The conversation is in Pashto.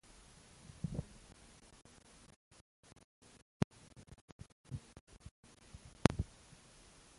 احمدشاه بابا به د سرتيرو ښيګڼه مهمه ګڼله.